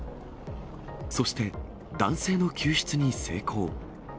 そして、男性の救出に成功。